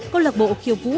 câu lạc bộ kiêu vũ